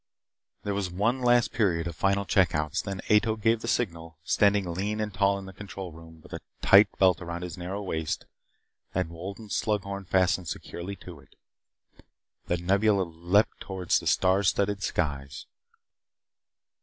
There was one last period of final check outs. Then Ato gave the signal, standing lean and tall in the control room, with a tight belt about his narrow waist, and Wolden's slug horn fastened securely to it. The Nebula leaped toward the star studded skies.